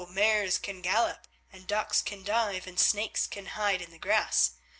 mares can gallop and ducks can dive and snakes can hide in the grass.